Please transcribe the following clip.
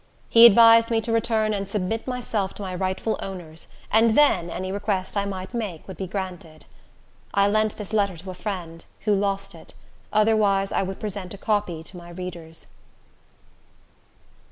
He advised me to return and submit myself to my rightful owners, and then any request I might make would be granted. I lent this letter to a friend, who lost it; otherwise I would present a copy to my readers.